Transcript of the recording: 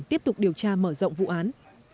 tiếp tục điều tra mở rộng vụ án